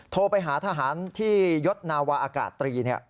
โทรไปหาทหารที่ยศนาวาอากาศตรี